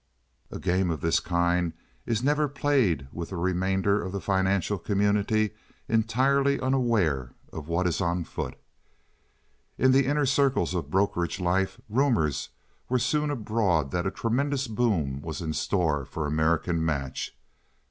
A game of this kind is never played with the remainder of the financial community entirely unaware of what is on foot. In the inner circles of brokerage life rumors were soon abroad that a tremendous boom was in store for American Match.